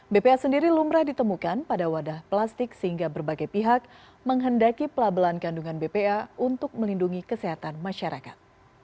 bpa sendiri lumrah ditemukan pada wadah plastik sehingga berbagai pihak menghendaki pelabelan kandungan bpa untuk melindungi kesehatan masyarakat